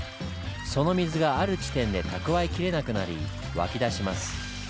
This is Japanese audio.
その水がある地点で蓄えきれなくなり湧き出します。